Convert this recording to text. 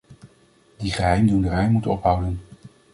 Die geheimdoenerij moet ophouden.